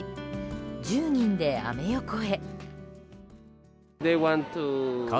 １０人でアメ横へ。